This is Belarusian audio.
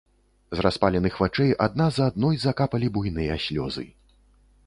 З распаленых вачэй адна за адной закапалі буйныя слёзы.